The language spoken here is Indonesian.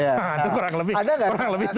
itu kurang lebih kurang lebih itu